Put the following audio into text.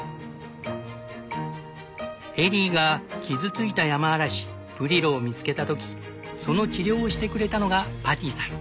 エリーが傷ついたヤマアラシ「ブリロ」を見つけた時その治療をしてくれたのがパティさん。